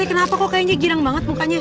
pak rt kenapa kok kayaknya girang banget mukanya